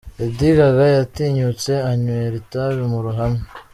Lady Gaga yatinyutse anywera itabi mu ruhamwe.